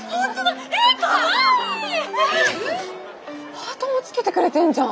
ハートもつけてくれてんじゃん！